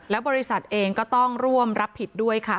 และบริษัทเองก็ต้องร่วมรับผิดด้วยค่ะ